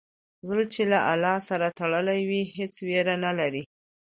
زړه چې له الله سره تړلی وي، هېڅ ویره نه لري.